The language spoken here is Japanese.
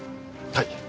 はい！